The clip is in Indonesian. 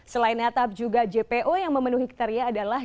selain atap juga jpo yang memenuhi kriteria adalah